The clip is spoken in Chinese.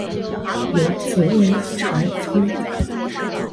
有子魏朝琮。